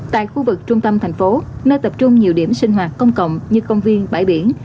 tại khu vực trung tâm thành phố nơi tập trung nhiều điểm sinh hoạt công cộng như công viên bãi biển